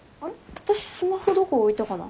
私スマホどこ置いたかな。